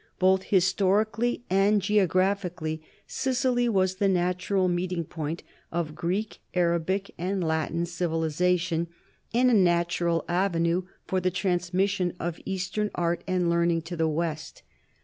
Both his torically and geographically Sicily was the natural meeting point of Greek, Arabic, and Latin civilization, and a natural avenue for the transmission of eastern art and learning to the West.